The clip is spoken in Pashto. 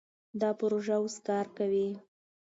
دا پروژه اوس کار کوي.